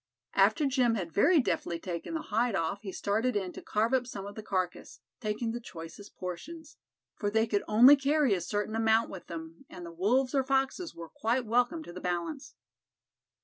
After Jim had very deftly taken the hide off, he started in to carve up some of the carcase, taking the choicest portions; for they could only carry a certain amount with them, and the wolves or foxes were quite welcome to the balance.